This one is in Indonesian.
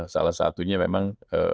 salah satunya memang